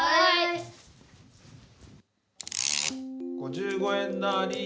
・５５円なり。